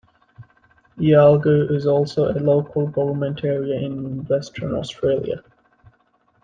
Yalgoo is also a local government area in Western Australia.